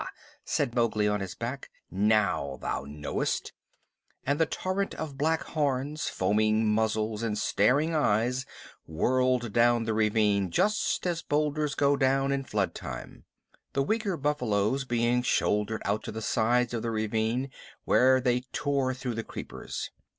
said Mowgli, on his back. "Now thou knowest!" and the torrent of black horns, foaming muzzles, and staring eyes whirled down the ravine just as boulders go down in floodtime; the weaker buffaloes being shouldered out to the sides of the ravine where they tore through the creepers.